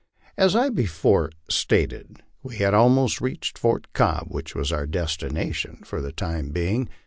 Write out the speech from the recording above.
As I before stated, we had almost reached Fort Cobb, which was our destination for the time being.